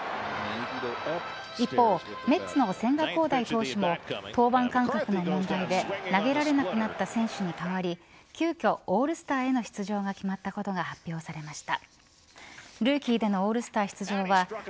一方、メッツの千賀滉大投手も登板間隔の問題で投げられなくなった選手に代わり急きょオールスターへの出場が決まったことが発表されました。